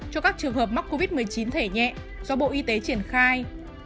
cho các trường hợp mắc covid một mươi chín thẻ nhẹ do bộ y tế triển khai